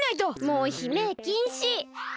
もうひめいきんし！